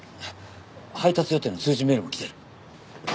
配達予定の通知メールも来てる。